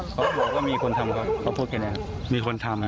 เขาบอกว่ามีคนทำเขาพูดแค่ไหนครับ